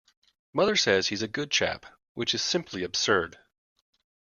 Mother says he's a good chap, which is simply absurd.